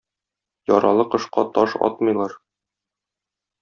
Яралы кошка таш атмыйлар.